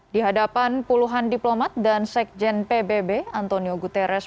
di hadapan puluhan diplomat dan sekjen pbb antonio guterres